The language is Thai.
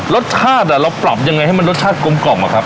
รสชาติเราปรับยังไงให้มันรสชาติกลมกล่อมอะครับ